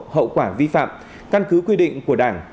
hậu quả vi phạm căn cứ quy định của đảng